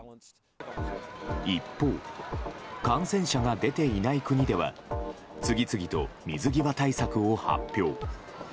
一方、感染者が出ていない国では次々と水際対策を発表。